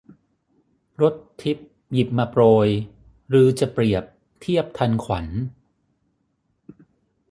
รสทิพย์หยิบมาโปรย ฤๅจะเปรียบเทียบทันขวัญ